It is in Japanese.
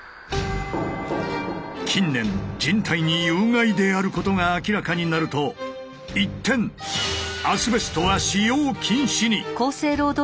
近年人体に有害であることが明らかになると一転アスベストは使用禁止に。